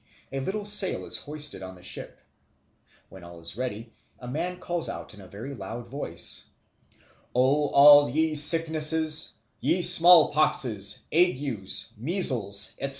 A little sail is hoisted on the ship. When all is ready, a man calls out in a very loud voice, "O all ye sicknesses, ye smallpoxes, agues, measles, etc.